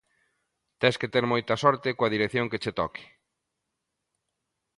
Tes que ter moita sorte coa dirección que che toque.